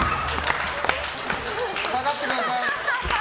下がってください。